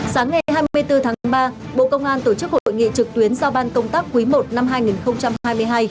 sáng ngày hai mươi bốn tháng ba bộ công an tổ chức hội nghị trực tuyến giao ban công tác quý i năm hai nghìn hai mươi hai